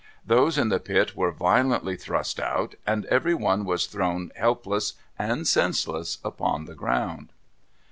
Those in the pit were violently thrust out, and every one was thrown helpless and senseless upon the ground.